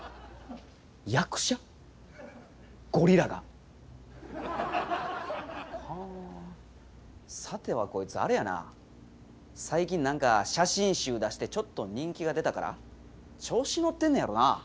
ゴリラが？はあさてはこいつあれやな最近何か写真集出してちょっと人気が出たから調子乗ってんねやろな。